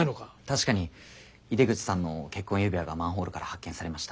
確かに井出口さんの結婚指輪がマンホールから発見されました。